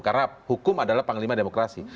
karena hukum adalah panglima demokrasi